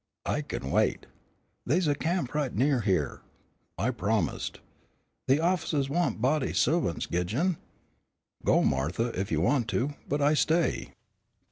"I can wait." "They's a camp right near here." "I promised." "The of'cers wants body servants, Gidjon " "Go, Martha, if you want to, but I stay."